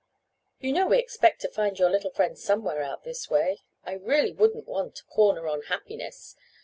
"You know we expect to find your little friend somewhere out this way. I really wouldn't want a corner on happiness.